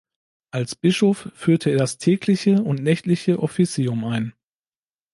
Als Bischof führte er das tägliche und nächtliche Officium ein.